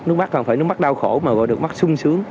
nước mắt không phải nước mắt đau khổ mà gọi được mắt sung sướng